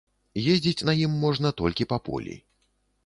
Ездзіць на ім можна толькі па полі.